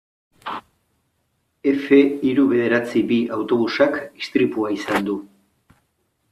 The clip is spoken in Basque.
Efe hiru bederatzi bi autobusak istripua izan du.